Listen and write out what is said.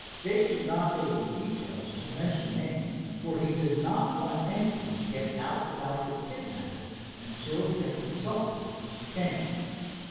Dave did not go into details or mention names, for he did not want anything to get out about his kidnapping until he had consulted Mr. King.